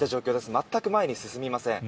全く前に進みません。